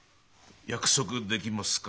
約束できますか？